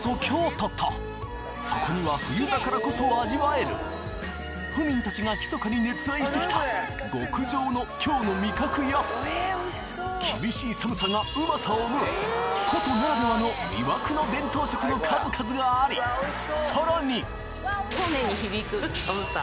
そこには冬だからこそ味わえる府民たちが密かに熱愛してきた極上の厳しい寒さがうまさを生む古都ならではのの数々がありさらに！